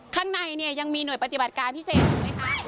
ข้างในเนี่ยยังมีหน่วยปฏิบัติการพิเศษอยู่ไหมคะ